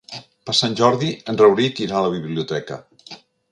Per Sant Jordi en Rauric irà a la biblioteca.